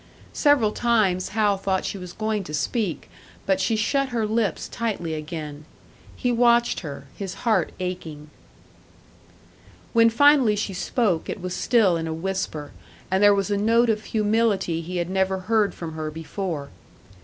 Several times Hal thought she was going to speak, but she shut her lips tightly again; he watched her, his heart aching. When finally she spoke, it was still in a whisper, and there was a note of humility he had never heard from her before.